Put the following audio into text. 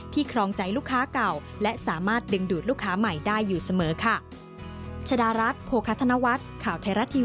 ครองใจลูกค้าเก่าและสามารถดึงดูดลูกค้าใหม่ได้อยู่เสมอค่ะ